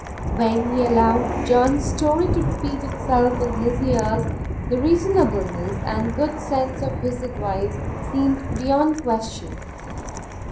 When he allowed John's story to repeat itself in his ears, the reasonableness and good sense of his advice seemed beyond question.